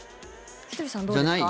ひとりさん、どうですか？